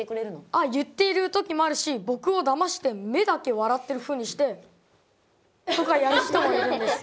あ言っている時もあるし僕をだまして目だけ笑ってるふうにしてとかやる人もいるんですよ。